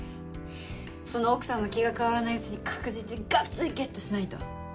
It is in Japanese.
その奥さんの気が変わらないうちに確実にがっつりゲットしないと。